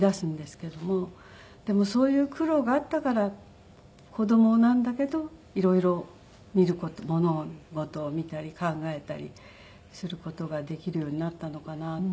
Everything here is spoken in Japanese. でもそういう苦労があったから子供なんだけど色々物事を見たり考えたりする事ができるようになったのかなって。